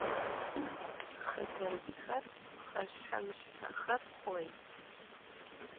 Xeterıç'xer, pxheşshe - mışshexer xhoi.